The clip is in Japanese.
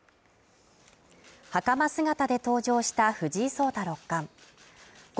袴姿で登場した藤井聡太六冠。